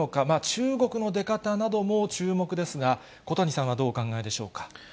中国の出方なども注目ですが、小谷さんはどうお考えでしょうか。